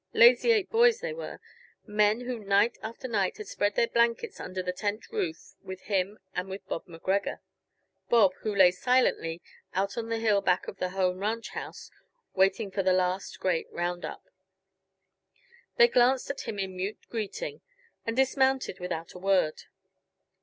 Lazy Eight boys, they were; men who night after night had spread their blankets under the tent roof with him and with Bob MacGregor; Bob, who lay silently out on the hill back of the home ranch house, waiting for the last, great round up. They glanced at him in mute greeting and dismounted without a word.